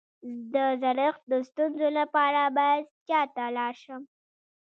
د زړښت د ستونزو لپاره باید چا ته لاړ شم؟